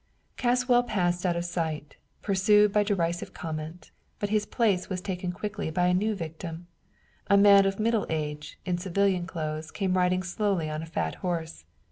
Caswell passed out of sight, pursued by derisive comment, but his place was taken quickly by a new victim. A man of middle age, in civilian clothes, came riding slowly on a fat horse.